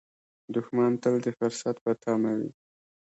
دښمن تل د فرصت په تمه وي